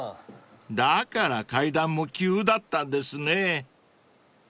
［だから階段も急だったんですね］